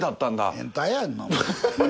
変態やんなもん。